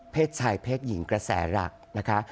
ชายเพศหญิงกระแสหลักนะคะ